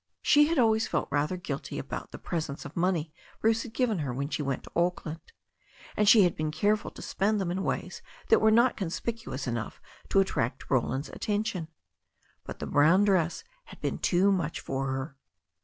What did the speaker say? She had always felt rather guilty about the presents of money Bruce had given her when she went to Auckland, and she had been careful to spend them in ways that were not con spicuous enough to attract Roland's attention. But the brown dress had been too much for her.